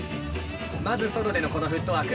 まずソロでのこのフットワーク。